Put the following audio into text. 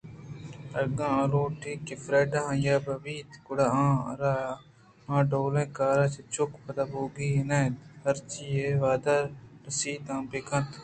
اگاں آ لوٹیت کہ فریڈا آئی ءِبہ بیت گُڑاآئی ءَ را آ ڈولیں کار ءَ چہ چک ءُپد بوئگی نہ اِنت ہرچی اے وہد ءَ رسیت آ بہ کنت